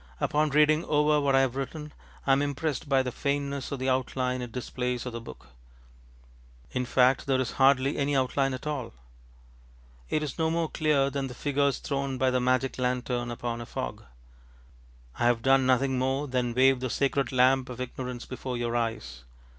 Upon reading over what I have written I am impressed by the faintness of the outline it displays of the book. In fact there is hardly any outline at all. It is no more clear than the figures thrown by a magic lantern upon a fog. I have done nothing more than wave the sacred lamp of ignorance before your eyes.